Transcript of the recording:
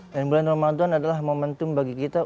dan bulan ramadhan adalah momentum bagi kita